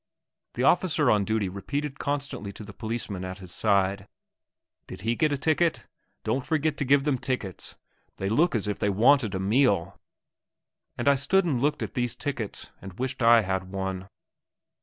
The officer on duty repeated constantly to the policeman at his side, "Did he get a ticket? Don't forget to give them tickets; they look as if they wanted a meal!" And I stood and looked at these tickets, and wished I had one.